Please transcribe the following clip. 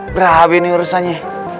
grabe nih urusannya